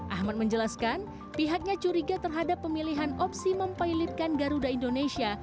ahmad menjelaskan pihaknya curiga terhadap pemilihan opsi mempilotkan garuda indonesia